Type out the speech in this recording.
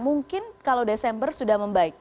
mungkin kalau desember sudah membaik